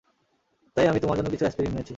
তাই আমি তোমার জন্য কিছু অ্যাসপিরিন এনেছি।